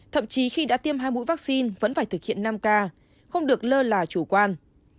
thậm chí khi đã tiêm hai mũi vaccine vẫn phải thực hiện năm k không được lơ là chủ quan